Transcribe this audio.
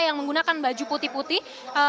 yang menggunakan baju putih putih